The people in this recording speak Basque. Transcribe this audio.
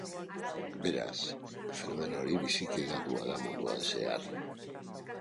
Beraz, fenomeno hori biziki hedatua da munduan zehar.